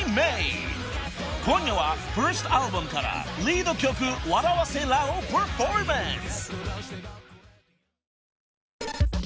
［今夜はファーストアルバムからリード曲『笑わせらぁ』をパフォーマンス］